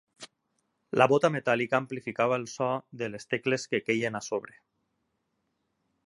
La bota metàl·lica amplificava el so de les tecles que queien a sobre.